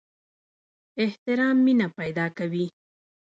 احترام مینه پیدا کوي